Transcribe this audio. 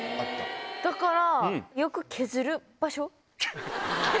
だから。